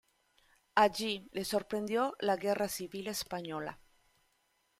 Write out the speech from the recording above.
Allí le sorprendió la Guerra Civil Española.